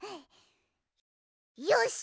よし！